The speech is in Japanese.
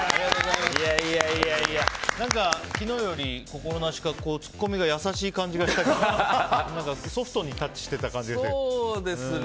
昨日より、心なしかツッコミが優しい感じがしたけどソフトにタッチしてた感じですね。